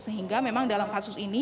sehingga memang dalam kasus ini